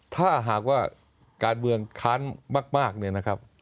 ถ้าหากว่าการเมืองค้านมากเนี่ยนะครับ